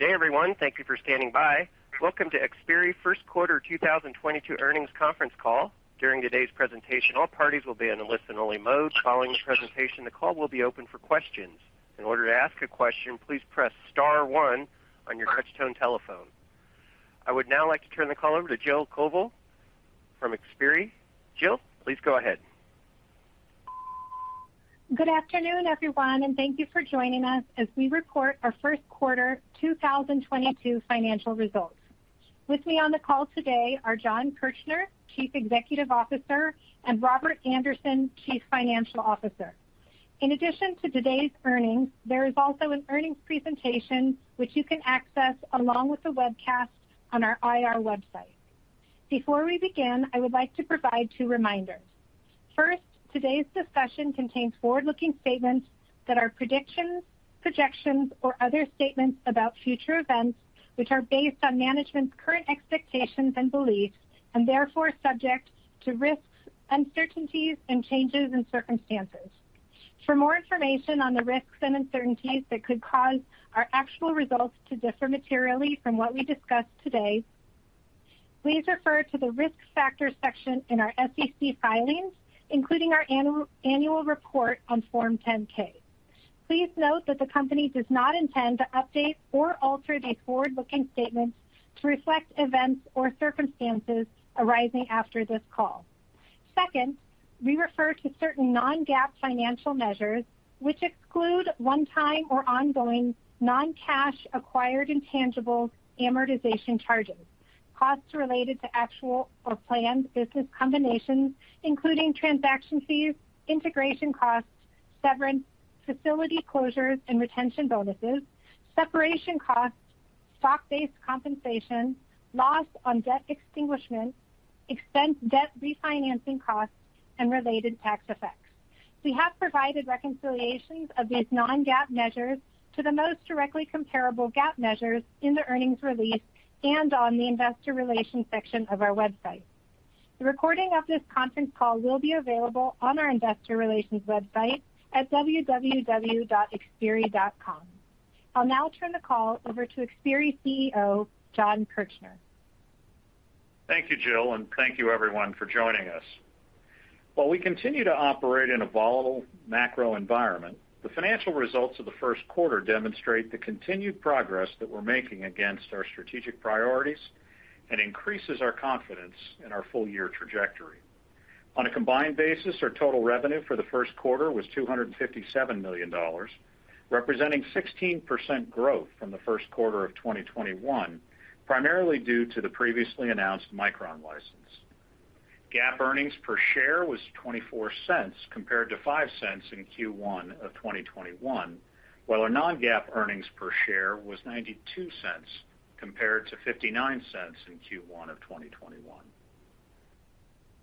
Good day, everyone. Thank you for standing by. Welcome to Xperi Q1 2022 Earnings Conference Call. During today's presentation, all parties will be in a listen-only mode. Following the presentation, the call will be open for questions. In order to ask a question, please press star one on your touchtone telephone. I would now like to turn the call over to Jill Koval from Xperi. Jill, please go ahead. Good afternoon, everyone, and thank you for joining us as we report our Q1 2022 financial results. With me on the call today are Jon Kirchner, Chief Executive Officer, and Robert Andersen, Chief Financial Officer. In addition to today's earnings, there is also an earnings presentation which you can access along with the webcast on our IR website. Before we begin, I would like to provide two reminders. First, today's discussion contains forward-looking statements that are predictions, projections, or other statements about future events, which are based on management's current expectations and beliefs, and therefore subject to risks, uncertainties, and changes in circumstances. For more information on the risks and uncertainties that could cause our actual results to differ materially from what we discuss today, please refer to the Risk Factors section in our SEC filings, including our annual report on Form 10-K. Please note that the company does not intend to update or alter these forward-looking statements to reflect events or circumstances arising after this call. Second, we refer to certain non-GAAP financial measures which exclude one-time or ongoing non-cash acquired intangible amortization charges, costs-related to actual or planned business combinations, including transaction fees, integration costs, severance, facility closures, and retention bonuses, separation costs, stock-based compensation, loss on debt extinguishment, expense debt refinancing costs, and related tax effects. We have provided reconciliations of these non-GAAP measures to the most directly comparable GAAP measures in the earnings release and on the investor relations section of our website. The recording of this Conference Call will be available on our investor relations website at www.xperi.com. I'll now turn the call over to Xperi CEO, Jon Kirchner. Thank you, Jill, and thank you everyone for joining us. While we continue to operate in a volatile macro environment, the financial results of Q1 demonstrate the continued progress that we're making against our strategic priorities and increases our confidence in our full-year trajectory. On a combined basis, our total revenue for Q1 was $257 million, representing 16% growth from Q1 of 2021, primarily due to the previously announced Micron license. GAAP earnings per share was $0.24 compared to $0.05 in Q1 of 2021, while our non-GAAP earnings per share was $0.92 compared to $0.59 in Q1 of 2021.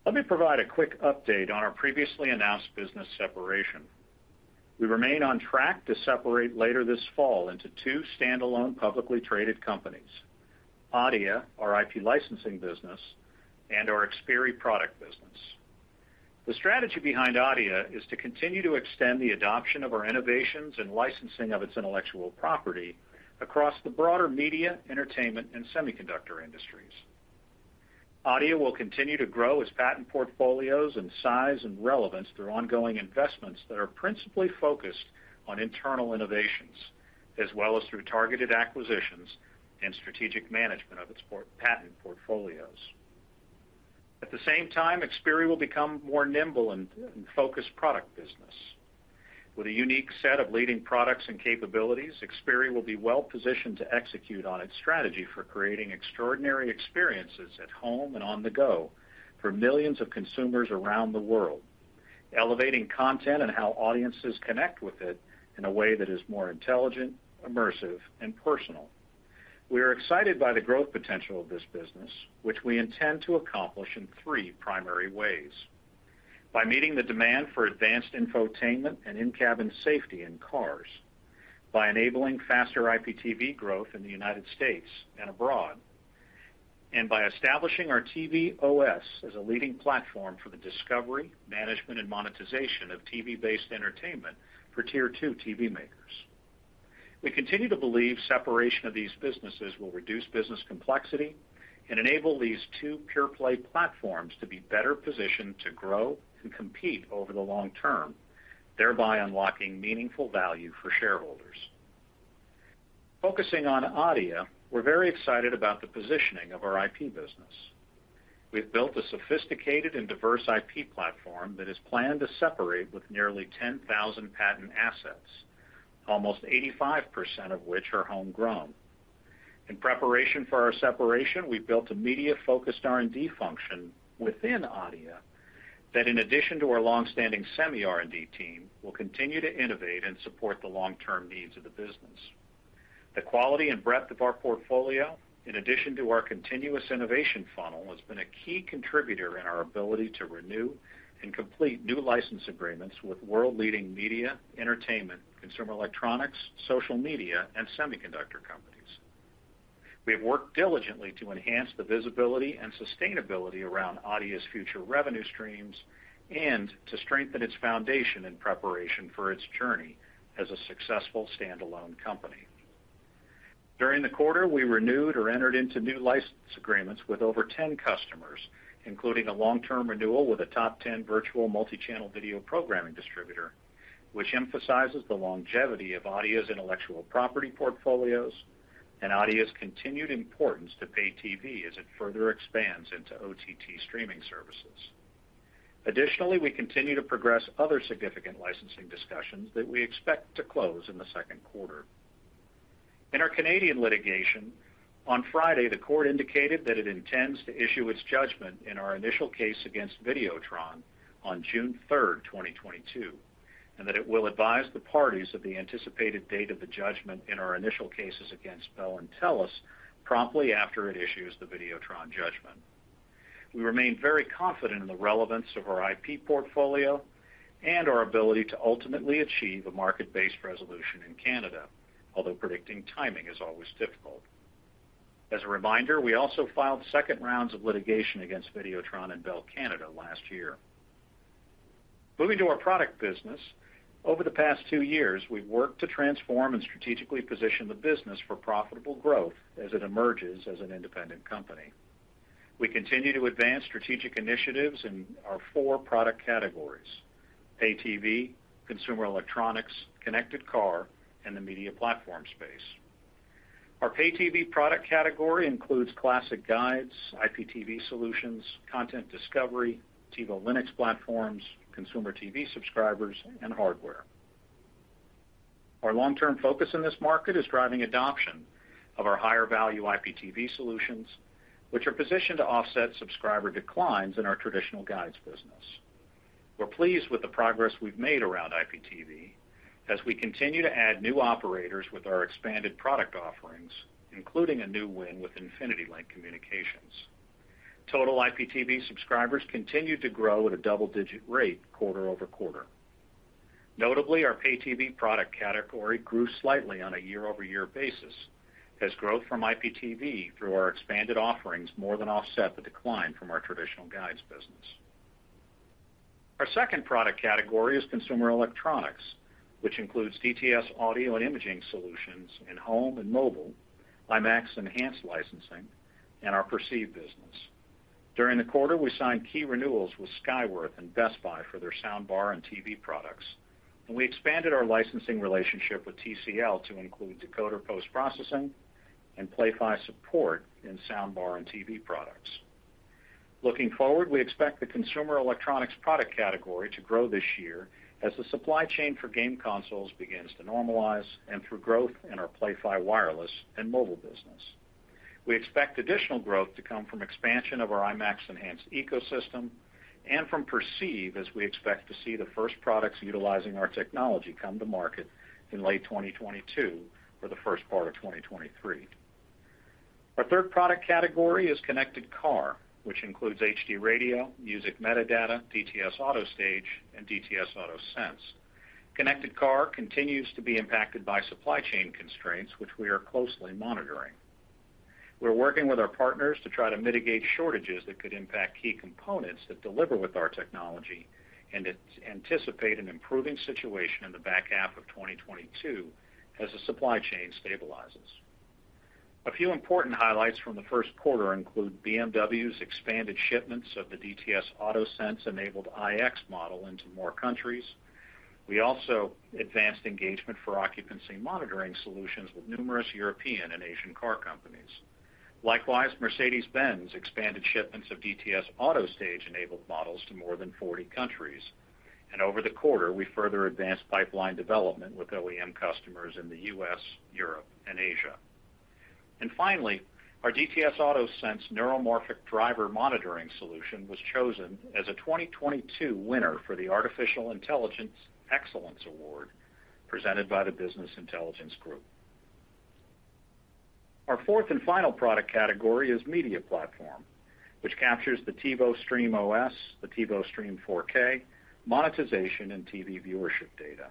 Let me provide a quick update on our previously announced business separation. We remain on track to separate later this fall into two standalone publicly traded companies, Adeia, our IP licensing business, and our Xperi product business. The strategy behind Adeia is to continue to extend the adoption of our innovations and licensing of its intellectual property across the broader media, entertainment, and semiconductor industries. Adeia will continue to grow its patent portfolios in size and relevance through ongoing investments that are principally focused on internal innovations, as well as through targeted acquisitions and strategic management of its patent portfolios. At the same time, Xperi will become more nimble and focused product business. With a unique set of leading products and capabilities, Xperi will be well-positioned to execute on its strategy for creating extraordinary experiences at home and on the go for millions of consumers around the world, elevating content and how audiences connect with it in a way that is more intelligent, immersive, and personal. We are excited by the growth potential of this business, which we intend to accomplish in three primary ways. By meeting the demand for advanced infotainment and in-cabin safety in cars, by enabling faster IPTV growth in the United States and abroad, and by establishing our TV OS as a leading platform for the discovery, management, and monetization of TV-based entertainment for tier two TV makers. We continue to believe separation of these businesses will reduce business complexity and enable these two pure play platforms to be better positioned to grow and compete over the long-term, thereby unlocking meaningful value for shareholders. Focusing on Adeia, we're very excited about the positioning of our IP business. We've built a sophisticated and diverse IP platform that is planned to separate with nearly 10,000 patent assets, almost 85% of which are home-grown. In preparation for our separation, we've built a media-focused R&D function within Adeia that in addition to our long-standing semi R&D team, will continue to innovate and support the long-term needs of the business. The quality and breadth of our portfolio, in addition to our continuous innovation funnel, has been a key contributor in our ability to renew and complete new license agreements with world-leading media, entertainment, consumer electronics, social media, and semiconductor companies. We have worked diligently to enhance the visibility and sustainability around Adeia future revenue streams and to strengthen its foundation in preparation for its journey as a successful standalone company. During the quarter, we renewed or entered into new license agreements with over 10 customers, including a long-term renewal with a top 10 virtual multi-channel video programming distributor, which emphasizes the longevity of Adeia intellectual property portfolios and Adeia continued importance to pay TV as it further expands into OTT streaming services. Additionally, we continue to progress other significant licensing discussions that we expect to close in Q2. In our Canadian litigation, on Friday, the court indicated that it intends to issue its judgment in our initial case against Vidéotron on June third, 2022, and that it will advise the parties of the anticipated date of the judgment in our initial cases against Bell and TELUS promptly after it issues the Vidéotron judgment. We remain very confident in the relevance of our IP portfolio and our ability to ultimately achieve a market-based resolution in Canada, although predicting timing is always difficult. As a reminder, we also filed second rounds of litigation against Vidéotron and Bell Canada last year. Moving to our product business. Over the past two years, we've worked to transform and strategically position the business for profitable growth as it emerges as an independent company. We continue to advance strategic initiatives in our four product categories, pay TV, consumer electronics, connected car, and the media platform space. Our pay TV product category includes classic guides, IPTV solutions, content discovery, TiVo Linux platforms, consumer TV subscribers, and hardware. Our long-term focus in this market is driving adoption of our higher value IPTV solutions, which are positioned to offset subscriber declines in our traditional guides business. We're pleased with the progress we've made around IPTV as we continue to add new operators with our expanded product offerings, including a new win with InfinityLink Communications. Total IPTV subscribers continued to grow at a double-digit rate quarter-over-quarter. Notably, our pay TV product category grew slightly on a year-over-year basis as growth from IPTV through our expanded offerings more than offset the decline from our traditional guides business. Our second product category is consumer electronics, which includes DTS audio and imaging solutions in home and mobile, IMAX Enhanced licensing, and our Perceive business. During the quarter, we signed key renewals with Skyworth and Best Buy for their sound bar and TV products, and we expanded our licensing relationship with TCL to include decoder post-processing and Play-Fi support in sound bar and TV products. Looking forward, we expect the consumer electronics product category to grow this year as the supply chain for game consoles begins to normalize and through growth in our Play-Fi wireless and mobile business. We expect additional growth to come from expansion of our IMAX Enhanced ecosystem and from Perceive as we expect to see the first products utilizing our technology come to market in late 2022 or the first part of 2023. Our third product category is Connected Car, which includes HD Radio, music metadata, DTS AutoStage, and DTS AutoSense. Connected Car continues to be impacted by supply chain constraints, which we are closely monitoring. We're working with our partners to try to mitigate shortages that could impact key components that deliver with our technology and anticipate an improving situation in the back half of 2022 as the supply chain stabilizes. A few important highlights from Q1 include BMW's expanded shipments of the DTS AutoSense-enabled iX model into more countries. We also advanced engagement for occupancy monitoring solutions with numerous European and Asian car companies. Likewise, Mercedes-Benz expanded shipments of DTS AutoStage-enabled models to more than 40 countries. Over the quarter, we further advanced pipeline development with OEM customers in the US, Europe, and Asia. Finally, our DTS AutoSense neuromorphic driver monitoring solution was chosen as a 2022 winner for the Artificial Intelligence Excellence Award presented by the Business Intelligence Group. Our fourth and final product category is Media Platform, which captures the TiVo Stream OS, the TiVo Stream 4K, monetization, and TV viewership data.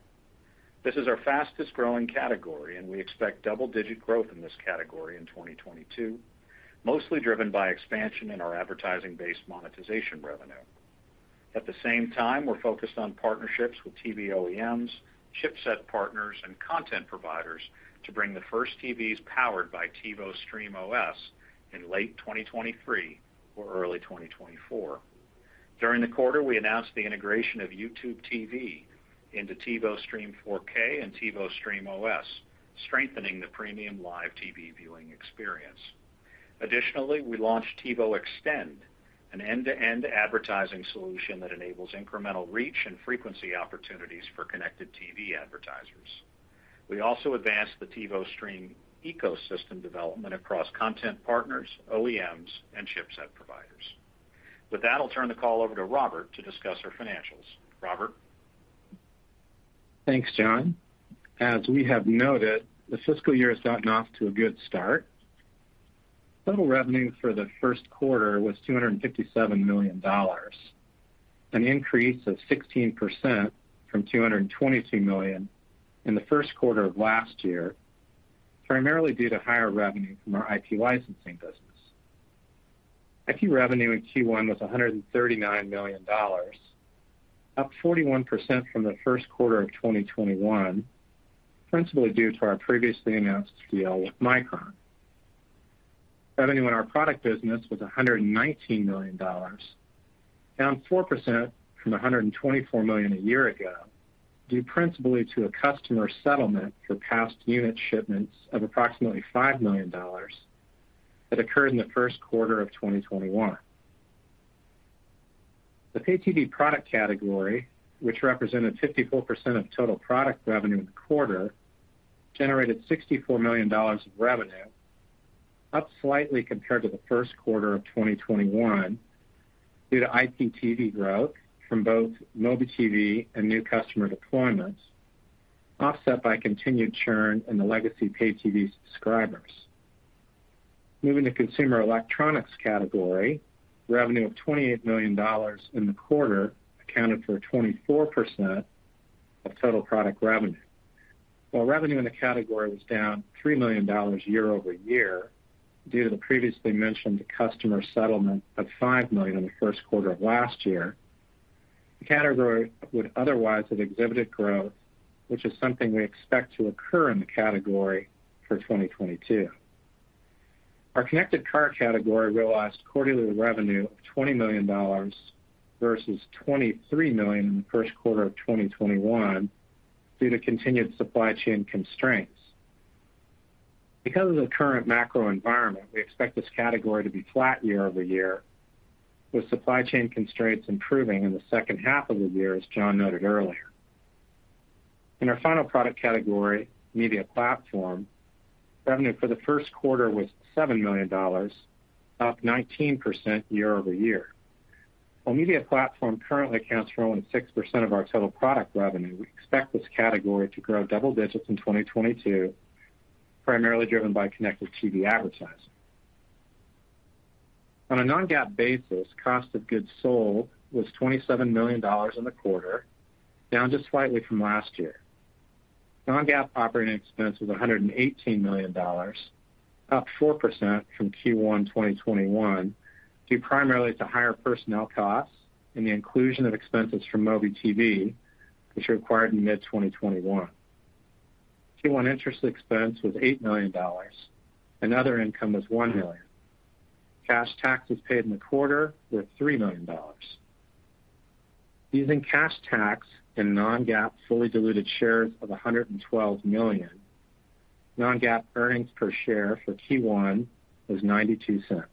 This is our fastest-growing category, and we expect double-digit growth in this category in 2022, mostly driven by expansion in our advertising-based monetization revenue. At the same time, we're focused on partnerships with TV OEMs, chipset partners, and content providers to bring the first TVs powered by TiVo Stream OS in late 2023 or early 2024. During the quarter, we announced the integration of YouTube TV into TiVo Stream 4K and TiVo Stream OS, strengthening the premium live TV viewing experience. Additionally, we launched TiVo Xtend, an end-to-end advertising solution that enables incremental reach and frequency opportunities for connected TV advertisers. We also advanced the TiVo Stream ecosystem development across content partners, OEMs, and chipset providers. With that, I'll turn the call over to Robert to discuss our financials. Robert? Thanks, Jon. As we have noted, the fiscal year has gotten off to a good start. Total revenue for Q1 was $257 million. An increase of 16% from $222 million in Q1 of last year, primarily due to higher revenue from our IP licensing business. IP revenue in Q1 was $139 million, up 41% from Q1 of 2021, principally due to our previously announced deal with Micron. Revenue in our product business was $119 million, down 4% from $124 million a year ago, due principally to a customer settlement for past unit shipments of approximately $5 million that occurred in Q1 of 2021. The Pay TV product category, which represented 54% of total product revenue in the quarter, generated $64 million of revenue, up slightly compared to Q1 of 2021 due to IPTV growth from both MobiTV and new customer deployments, offset by continued churn in the legacy Pay TV subscribers. Moving to consumer electronics category, revenue of $28 million in the quarter accounted for 24% of total product revenue. While revenue in the category was down $3 million year-over-year due to the previously mentioned customer settlement of $5 million in Q1 of last year, the category would otherwise have exhibited growth, which is something we expect to occur in the category for 2022. Our connected car category realized quarterly revenue of $20 million versus $23 million in Q1 of 2021 due to continued supply chain constraints. Because of the current macro environment, we expect this category to be flat year-over-year, with supply chain constraints improving in the second half of the year, as Jon noted earlier. In our final product category, media platform, revenue for the Q1 was $7 million, up 19% year-over-year. While media platform currently accounts for only 6% of our total product revenue, we expect this category to grow double digits in 2022, primarily driven by connected TV advertising. On a non-GAAP basis, cost of goods sold was $27 million in the quarter, down just slightly from last year. Non-GAAP operating expense was $118 million, up 4% from Q1 2021, due primarily to higher personnel costs and the inclusion of expenses from MobiTV, which are acquired in mid-2021. Q1 interest expense was $8 million and other income was $1 million. Cash taxes paid in the quarter were $3 million. Using cash tax and non-GAAP fully diluted shares of 112 million, non-GAAP earnings per share for Q1 was $0.92.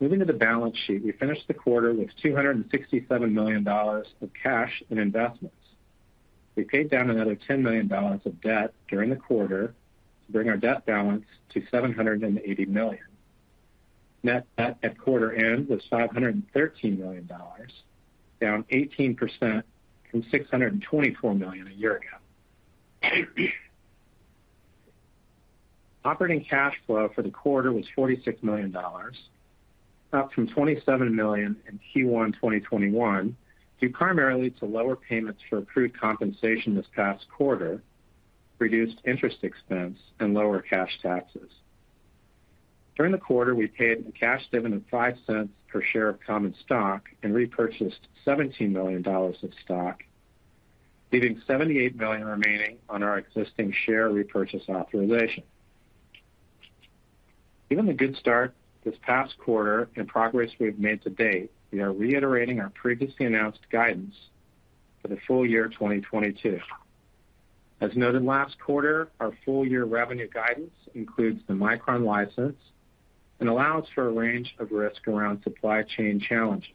Moving to the balance sheet, we finished the quarter with $267 million of cash and investments. We paid down another $10 million of debt during the quarter to bring our debt balance to $780 million. Net debt at quarter end was $513 million, down 18% from $624 million a year ago. Operating cash flow for the quarter was $46 million, up from $27 million in Q1 2021, due primarily to lower payments for accrued compensation this past quarter, reduced interest expense and lower cash taxes. During the quarter, we paid a cash dividend of $0.05 per share of common stock and repurchased $17 million of stock, leaving $78 million remaining on our existing share repurchase authorization. Given the good start this past quarter and progress we have made to date, we are reiterating our previously announced guidance for the full-year 2022. As noted last quarter, our full-year revenue guidance includes the Micron license and allows for a range of risk around supply chain challenges.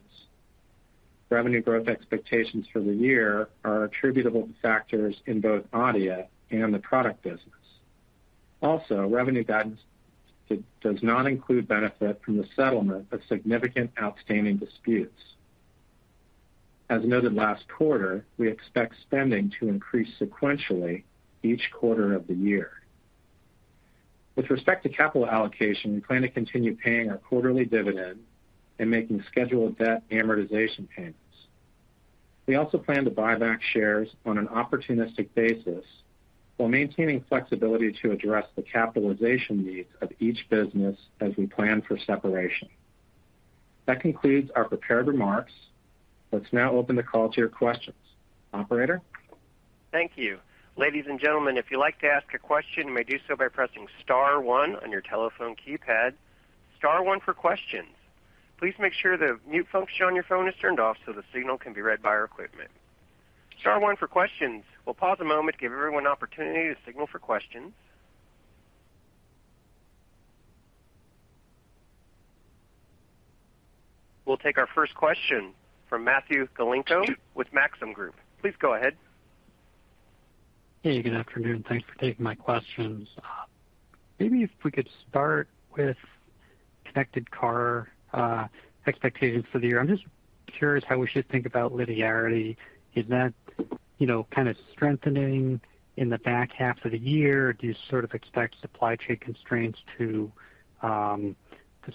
Revenue growth expectations for the year are attributable to factors in both Adeia and the product business. Also, revenue guidance does not include benefit from the settlement of significant outstanding disputes. As noted last quarter, we expect spending to increase sequentially each quarter of the year. With respect to capital allocation, we plan to continue paying our quarterly dividend and making scheduled debt amortization payments. We also plan to buy back shares on an opportunistic basis while maintaining flexibility to address the capitalization needs of each business as we plan for separation. That concludes our prepared remarks. Let's now open the call to your questions. Operator? Thank you. Ladies and gentlemen, if you'd like to ask a question, you may do so by pressing star one on your telephone keypad. Star one for questions. Please make sure the mute function on your phone is turned off so the signal can be read by our equipment. Star one for questions. We'll pause a moment to give everyone an opportunity to signal for questions. We'll take our first question from Matthew Galinko with Maxim Group. Please go ahead. Hey, good afternoon. Thanks for taking my questions. Maybe if we could start with connected car expectations for the year. I'm just curious how we should think about linearity. Is that, you know, kind of strengthening in the back half of the year? Do you sort of expect supply chain constraints to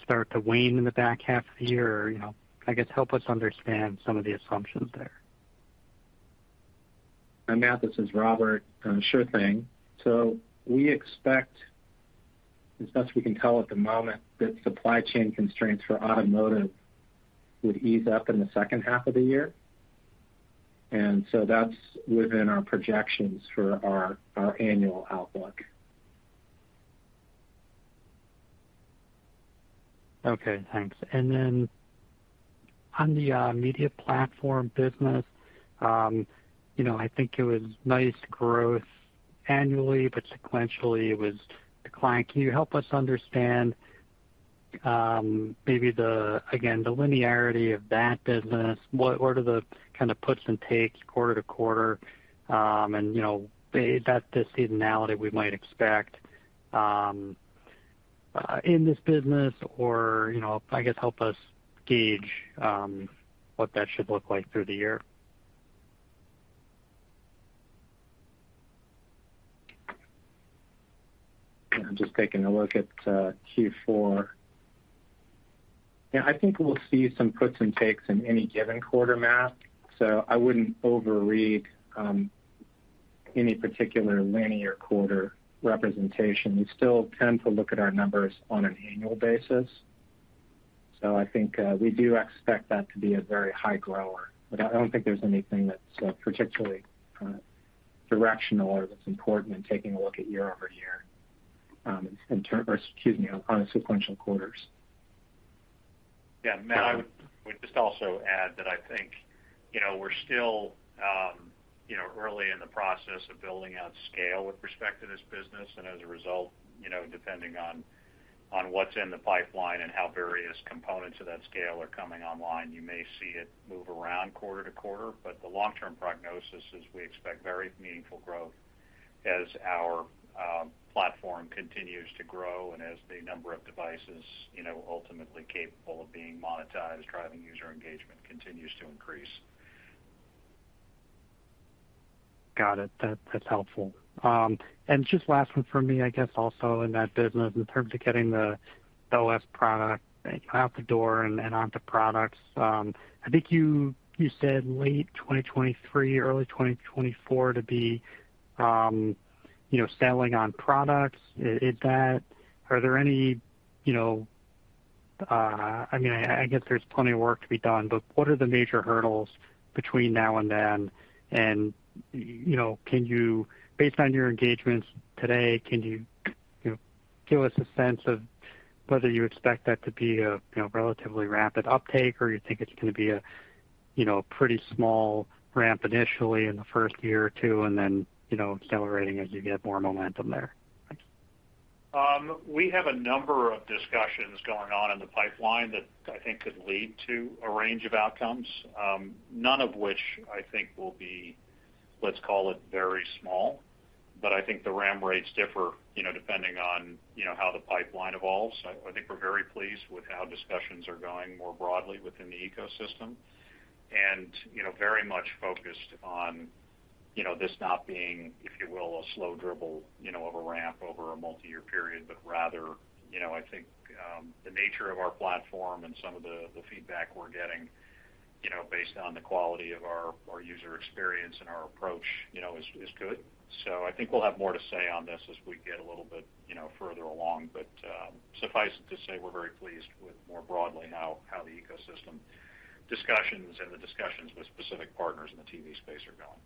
start to wane in the back half of the year? You know, I guess help us understand some of the assumptions there? Matt, this is Robert. Sure thing. We expect, as best we can tell at the moment, that supply chain constraints for automotive would ease up in the second half of the year. That's within our projections for our annual outlook. Okay, thanks. On the media platform business, you know, I think it was nice growth annually, but sequentially it was declining. Can you help us understand, maybe the, again, the linearity of that business? What are the kind of puts and takes quarter to quarter, and, you know, the seasonality we might expect, in this business or, you know, I guess help us gauge, what that should look like through the year. I'm just taking a look at Q4. Yeah, I think we'll see some puts and takes in any given quarter, Matt, so I wouldn't overread any particular linear quarter representation. We still tend to look at our numbers on an annual basis, so I think we do expect that to be a very high grower. I don't think there's anything that's particularly directional or that's important in taking a look at year-over-year on sequential quarters. Yeah. Matt, I would just also add that I think, you know, we're still, you know, early in the process of building out scale with respect to this business, and as a result, you know, depending on what's in the pipeline and how various components of that scale are coming online, you may see it move around quarter to quarter. The long-term prognosis is we expect very meaningful growth as our platform continues to grow and as the number of devices, you know, ultimately capable of being monetized, driving user engagement continues to increase. Got it. That's helpful. Just last one from me, I guess also in that business in terms of getting the OS product out the door and onto products. I think you said late 2023, early 2024 to be, you know, selling on products. Is that? Are there any, you know? I mean, I guess there's plenty of work to be done, but what are the major hurdles between now and then? You know, can you, based on your engagements today, give us a sense of whether you expect that to be a, you know, relatively rapid uptake or you think it's gonna be a, you know, pretty small ramp initially in the first year or two and then, you know, accelerating as you get more momentum there? Thanks. We have a number of discussions going on in the pipeline that I think could lead to a range of outcomes. None of which I think will be, let's call it very small, but I think the ram rates differ, you know, depending on, you know, how the pipeline evolves. I think we're very pleased with how discussions are going more broadly within the ecosystem and, you know, very much focused on, you know, this not being, if you will, a slow dribble, you know, of a ramp over a multi-year period. Rather, you know, I think, the nature of our platform and some of the feedback we're getting, you know, based on the quality of our user experience and our approach, you know, is good. I think we'll have more to say on this as we get a little bit, you know, further along. Suffice it to say we're very pleased with more broadly how the ecosystem discussions and the discussions with specific partners in the TV space are going.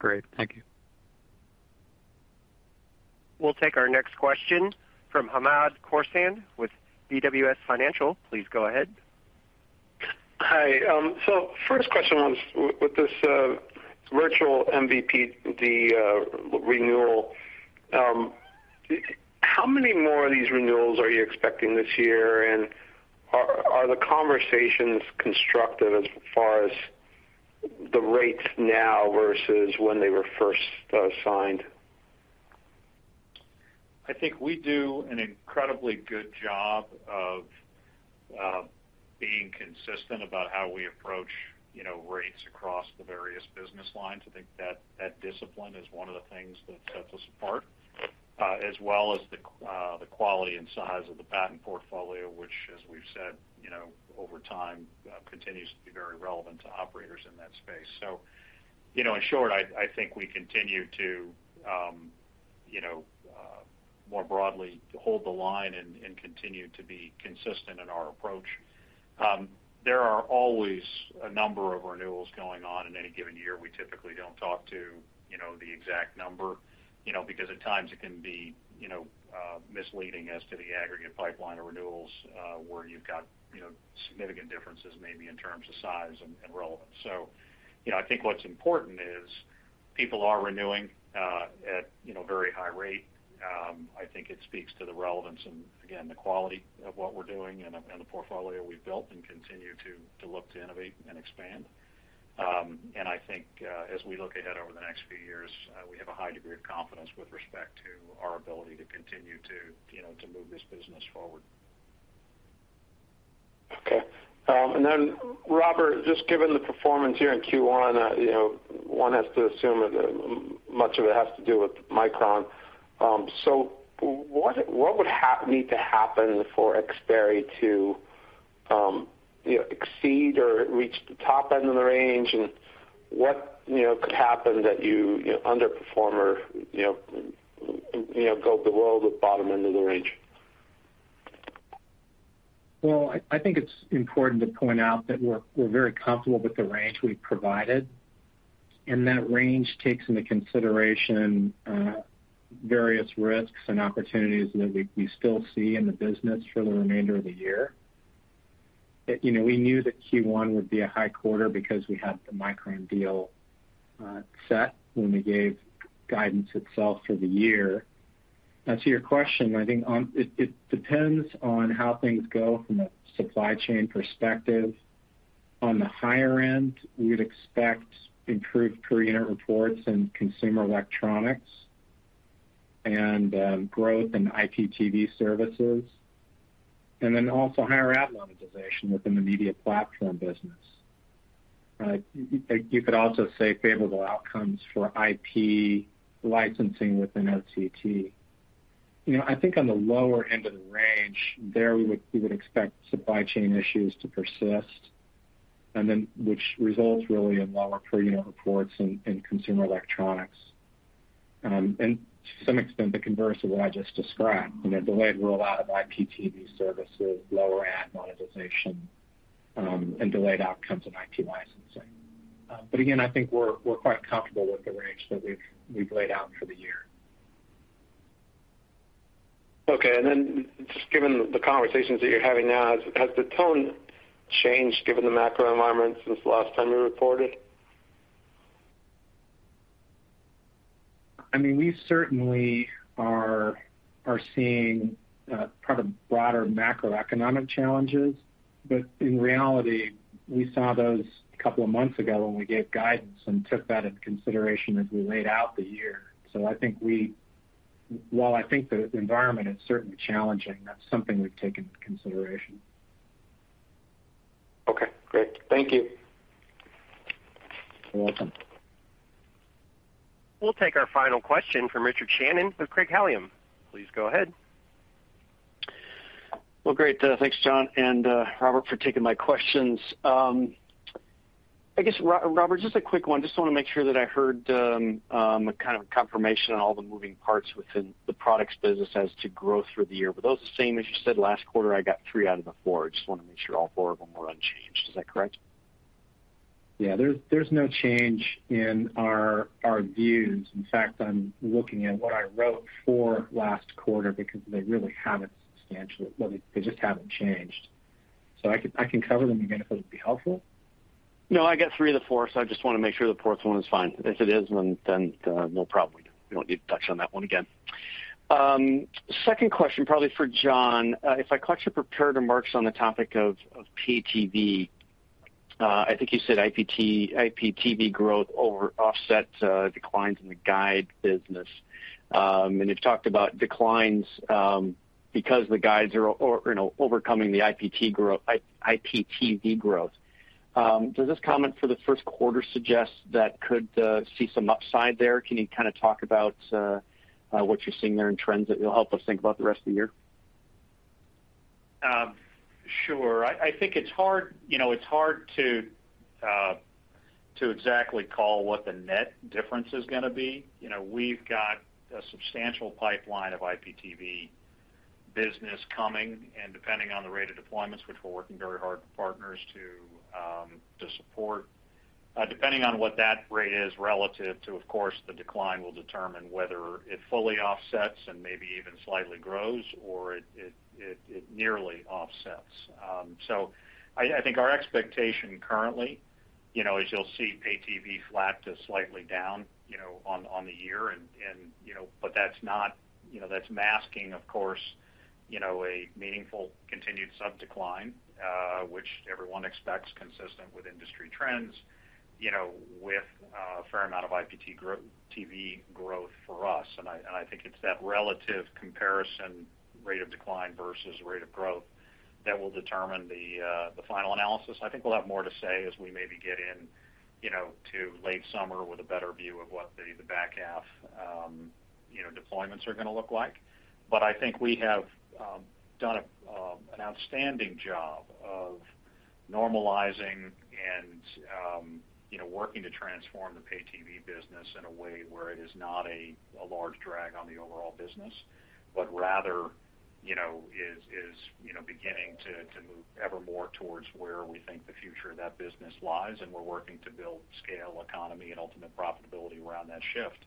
Great. Thank you. We'll take our next question from Hamed Khorsand with BWS Financial. Please go ahead. Hi. First question was with this virtual MVPD renewal, how many more of these renewals are you expecting this year? Are the conversations constructive as far as the rates now versus when they were first signed? I think we do an incredibly good job of being consistent about how we approach, you know, rates across the various business lines. I think that discipline is one of the things that sets us apart, as well as the quality and size of the patent portfolio, which as we've said, you know, over time, continues to be very relevant to operators in that space. You know, in short, I think we continue to, you know, more broadly hold the line and continue to be consistent in our approach. There are always a number of renewals going on in any given year. We typically don't talk to, you know, the exact number, you know, because at times it can be, you know, misleading as to the aggregate pipeline of renewals, where you've got, you know, significant differences maybe in terms of size and relevance. I think what's important is people are renewing at, you know, very high rate. I think it speaks to the relevance and again, the quality of what we're doing and the portfolio we've built and continue to look to innovate and expand. I think, as we look ahead over the next few years, we have a high degree of confidence with respect to our ability to continue to, you know, to move this business forward. Okay. Robert, just given the performance here in Q1, you know, one has to assume that much of it has to do with Micron. What would need to happen for Xperi to, you know, exceed or reach the top end of the range? What could happen that you underperform or, you know, go below the bottom-end of the range? Well, I think it's important to point out that we're very comfortable with the range we've provided, and that range takes into consideration various risks and opportunities that we still see in the business for the remainder of the year. You know, we knew that Q1 would be a high quarter because we had the Micron deal set when we gave guidance itself for the year. Now to your question, I think it depends on how things go from a supply chain perspective. On the higher end, we would expect improved per unit reports in consumer electronics and growth in IPTV services, and then also higher ad monetization within the media platform business. You could also say favorable outcomes for IP licensing within ITC. You know, I think on the lower end of the range, there we would expect supply chain issues to persist, and then which results really in lower per unit reports in consumer electronics. To some extent, the converse of what I just described, you know, delayed rollout of IPTV services, lower ad monetization, and delayed outcomes in IP licensing. Again, I think we're quite comfortable with the range that we've laid out for the year. Okay. Just given the conversations that you're having now, has the tone changed given the macro environment since the last time you reported? I mean, we certainly are seeing probably broader macroeconomic challenges, but in reality, we saw those a couple of months ago when we gave guidance and took that into consideration as we laid out the year. I think while the environment is certainly challenging, that's something we've taken into consideration. Okay, great. Thank you. You're welcome. We'll take our final question from Richard Shannon with Craig-Hallum. Please go ahead. Well, great. Thanks John and Robert for taking my questions. I guess, Robert, just a quick one. Just wanna make sure that I heard kind of confirmation on all the moving parts within the products business as to growth through the year. Those are the same as you said last quarter, I got 3 out of the 4. I just wanna make sure all 4 of them were unchanged. Is that correct? Yeah. There's no change in our views. In fact, I'm looking at what I wrote for last quarter because they really haven't. Well, they just haven't changed. I can cover them again if it would be helpful. No, I got three of the four, so I just wanna make sure the fourth one is fine. If it is, then no problem. We don't need to touch on that one again. Second question probably for John. If I correctly heard the prepared remarks on the topic of pay TV, I think you said IPTV growth offsets declines in the guide business. You've talked about declines because the guides are overcoming the IPTV growth. Does this comment for Q1 suggest that could see some upside there? Can you kinda talk about what you're seeing there in trends that will help us think about the rest of the year? Sure. I think it's hard, you know, it's hard to exactly call what the net difference is gonna be. You know, we've got a substantial pipeline of IPTV business coming, and depending on the rate of deployments, which we're working very hard with partners to support. Depending on what that rate is relative to, of course, the decline will determine whether it fully offsets and maybe even slightly grows or it nearly offsets. So I think our expectation currently, you know, as you'll see pay TV flat to slightly down, you know, on the year and you know, but that's not, you know, that's masking, of course, you know, a meaningful continued sub decline, which everyone expects consistent with industry trends, you know, with a fair amount of IPTV growth for us. I think it's that relative comparison rate of decline versus rate of growth that will determine the final analysis. I think we'll have more to say as we maybe get in, you know, to late summer with a better view of what the back half, you know, deployments are gonna look like. I think we have done an outstanding job of normalizing and you know working to transform the pay TV business in a way where it is not a large drag on the overall business, but rather you know is you know beginning to move evermore towards where we think the future of that business lies, and we're working to build scale economy and ultimate profitability around that shift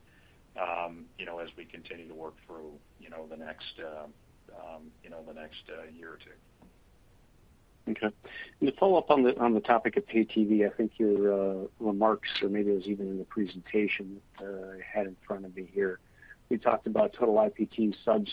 you know as we continue to work through you know the next year or two. Okay. To follow up on the topic of pay TV, I think your remarks or maybe it was even in the presentation, I had in front of me here. We talked about total IPT subs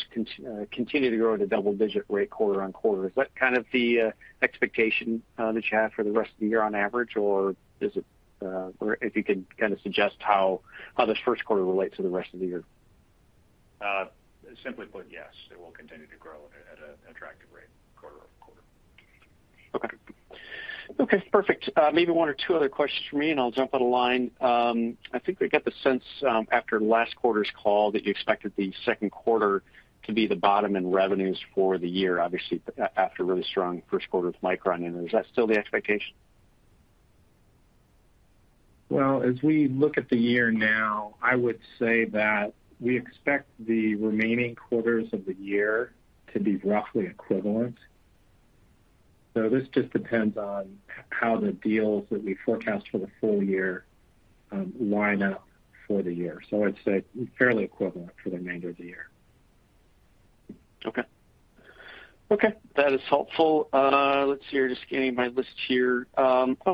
continue to grow at a double-digit rate quarter-over-quarter. Is that kind of the expectation that you have for the rest of the year on average or is it or if you could kinda suggest how this Q1 relates to the rest of the year? Simply put, yes, it will continue to grow at a attractive rate quarter-over-quarter. Okay, perfect. Maybe one or two other questions for me, and I'll jump on the line. I think we get the sense after last quarter's call that you expected Q2 to be the bottom in revenues for the year, obviously, after a really strong Q1 with Micron. Is that still the expectation? Well, as we look at the year now, I would say that we expect the remaining quarters of the year to be roughly equivalent. This just depends on how the deals that we forecast for the full-year line up for the year. I'd say fairly equivalent for the remainder of the year. Okay. Okay, that is helpful. Let's see here, just getting my list here.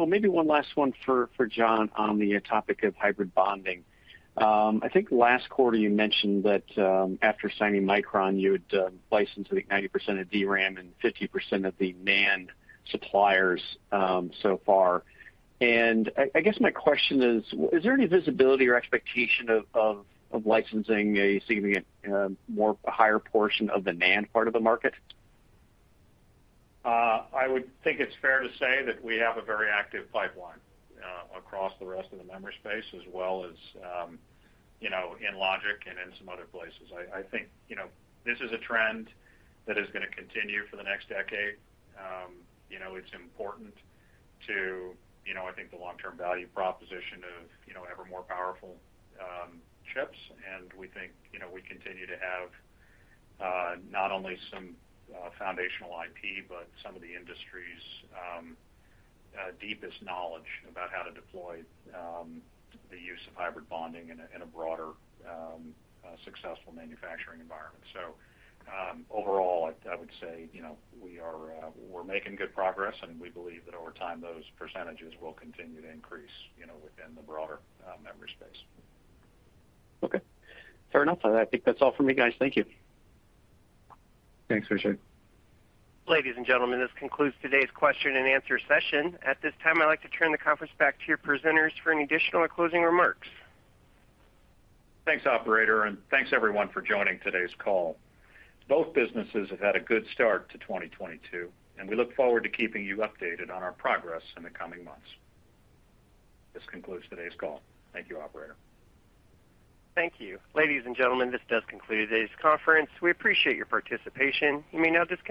Maybe one last one for Jon on the topic of hybrid bonding. I think last quarter you mentioned that, after signing Micron, you had licensed, I think 90% of DRAM and 50% of the NAND suppliers, so far. I guess my question is there any visibility or expectation of licensing a significant more higher portion of the NAND part of the market? I would think it's fair to say that we have a very active pipeline across the rest of the memory space as well as, you know, in Logic and in some other places. I think, you know, this is a trend that is gonna continue for the next decade. You know, it's important to, you know, I think the long-term value proposition of, you know, ever more powerful chips. We think, you know, we continue to have not only some foundational IP, but some of the industry's deepest knowledge about how to deploy the use of hybrid bonding in a broader successful manufacturing environment. Overall, I would say, you know, we're making good progress, and we believe that over time, those percentages will continue to increase, you know, within the broader memory space. Okay. Fair enough. I think that's all for me, guys. Thank you. Thanks, Richard. Ladies and gentlemen, this concludes today's question and answer session. At this time, I'd like to turn the conference back to your presenters for any additional or closing remarks. Thanks, operator, and thanks everyone for joining today's call. Both businesses have had a good start to 2022, and we look forward to keeping you updated on our progress in the coming months. This concludes today's call. Thank you, operator. Thank you. Ladies and gentlemen, this does conclude today's conference. We appreciate your participation. You may now disconnect.